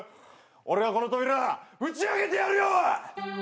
俺がこの扉ぶち開けてやるよ！